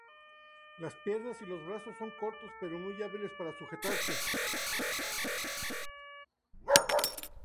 Las piernas y los brazos son cortos, pero muy hábiles para sujetarse.